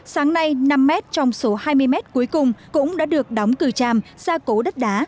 sáng nay năm mét trong số hai mươi mét cuối cùng cũng đã được đóng cửa tràm ra cố đất đá